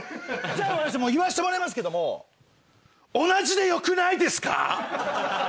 じゃあ言わしてもらいますけども同じでよくないですか？